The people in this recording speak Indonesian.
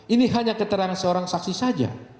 ini hanya keterangan seorang saksi saja